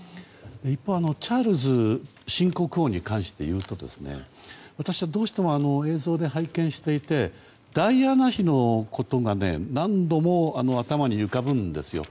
一方、チャールズ新国王に関して言うと私はどうしても映像で拝見していてダイアナ妃のことが何度も頭に浮かぶんですよ。